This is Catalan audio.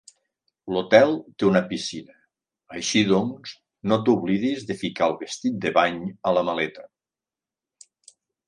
L'hotel té una piscina; així doncs, no t'oblidis de ficar el vestit de bany a la maleta